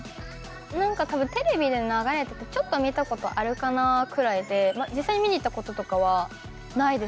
何かたぶんテレビで流れててちょっと見たことあるかなくらいで実際に見に行ったこととかはないです。